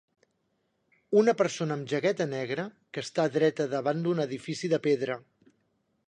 Una persona amb jaqueta negra que esta dreta davant d'un edifici de pedra.